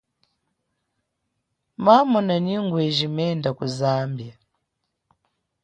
Mamona nyi ngweji menda ku Zambia.